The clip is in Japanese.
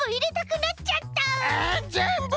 えっぜんぶ！？